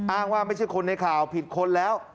อ้างว่าไม่ใช่คนในข่าวผิดคนแล้ว